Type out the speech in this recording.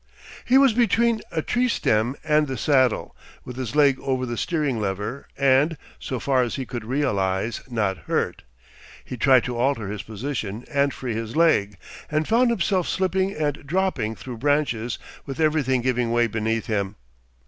He was between a tree stem and the saddle, with his leg over the steering lever and, so far as he could realise, not hurt. He tried to alter his position and free his leg, and found himself slipping and dropping through branches with everything giving way beneath him.